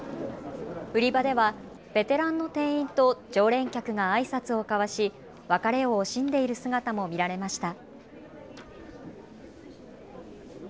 売り場ではベテランの店員と常連客があいさつを交わし別れを惜しんでいる姿も見られました。